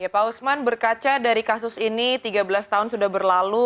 pak usman berkaca dari kasus ini tiga belas tahun sudah berlalu